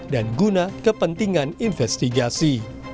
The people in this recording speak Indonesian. dan guna kepentingan investigasi